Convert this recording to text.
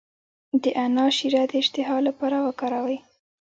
د انار شیره د اشتها لپاره وکاروئ